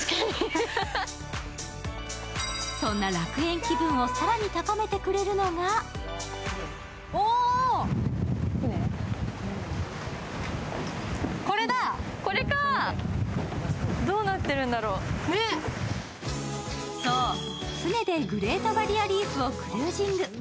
そんな楽園気分を更に高めてくれるのが船でグレートバリアリーフをクルージング。